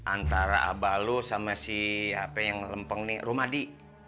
antara abalo sama si apa yang lempeng ini rumadi